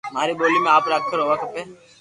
ماري ٻولي ۾ آپرا اکر ھووا کپي